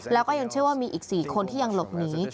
แล้วก็ยังเชื่อว่ามีอีก๔คนที่ยังหลบหนี